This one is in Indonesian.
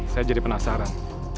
saya jadi penasaran